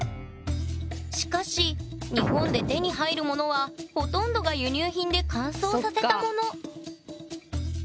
しかし日本で手に入るものはほとんどが輸入品で乾燥させたもの